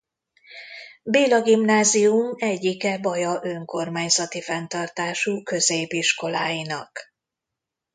Béla Gimnázium egyike Baja önkormányzati fenntartású középiskoláinak.